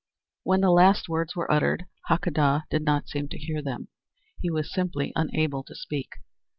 When the last words were uttered, Hakadah did not seem to hear them. He was simply unable to speak.